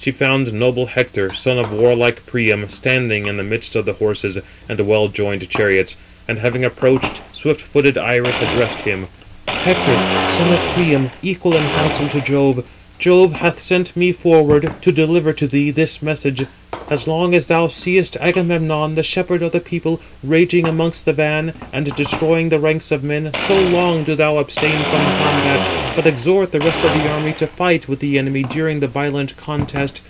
She found noble Hector, son of warlike Priam, standing in the midst of the horses and well joined chariots: and having approached, swift footed Iris addressed him: "Hector, son of Priam, equal in counsel to Jove, Jove hath sent me forward to deliver to thee this message: As long as thou seest Agamemnon, the shepherd of the people, raging amongst the van, [and] destroying the ranks of men, so long do thou abstain from combat, but exhort the rest of the army to fight with the enemy during the violent contest.